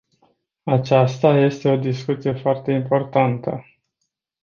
Aceasta este o discuție foarte importantă.